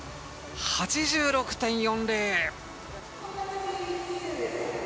８６．４０。